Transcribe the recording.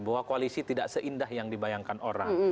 bahwa koalisi tidak seindah yang dibayangkan orang